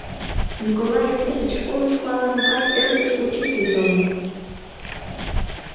Николай Андреич, школышко ала-могай ӧрдыж учитель толын...